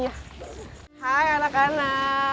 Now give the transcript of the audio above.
iya bentar lagi gue tewe tenang aja